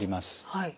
はい。